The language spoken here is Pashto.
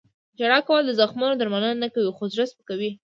• ژړا کول د زخمونو درملنه نه کوي، خو زړه سپکوي.